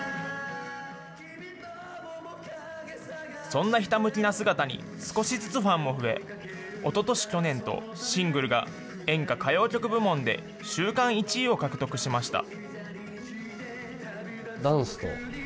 そんなひたむきな姿に、少しずつファンも増え、おととし、去年とシングルが演歌・歌謡曲部門で週間１位を獲得しました。